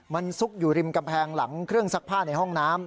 มันซุกอยู่ริมกำแพงหลังเครื่องซักผ้าในห้องน้ำ